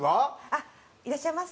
あっいらっしゃいませ。